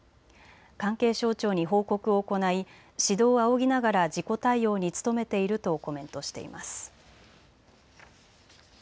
関係省庁に報告を行い指導を仰ぎながら事故対応に努めているとコメントしています。